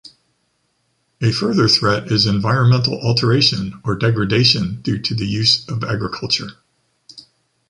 A further threat is environmental alteration or degradation due to the use of agriculture.